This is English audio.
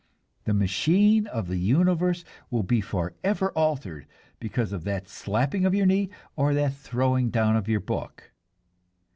The machine of the universe will be forever altered because of that slapping of your knee or that throwing down of your book.